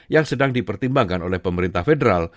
yang sedang dipertimbangkan oleh pemerintah federal